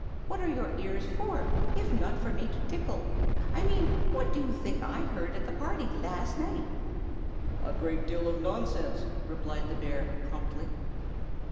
What are your ears for, if not for me to tickle? I mean, what do you think I heard at the party, last night?" "A great deal of nonsense!" replied the bear, promptly.